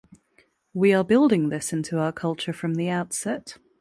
We are building this into our culture from the outset.